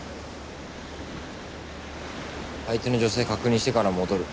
相手の女性確認してから戻る。